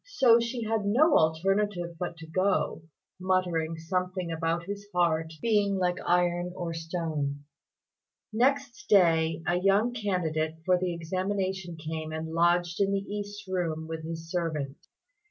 So she had no alternative but to go, muttering something about his heart being like iron or stone. Next day, a young candidate for the examination came and lodged in the east room with his servant.